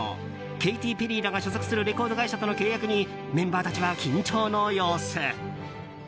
ケイティ・ペリーらが所属するレコード会社との契約にメンバーたちは緊張の様子。